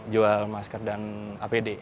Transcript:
jual masker dan apd